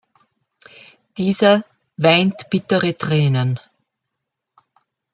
Dieser „weint bittere Tränen“.